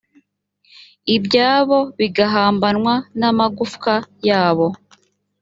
ibyabo bigahambanwa n’amagufwa yabo